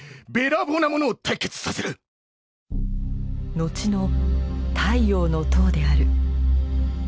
後の太陽の塔である。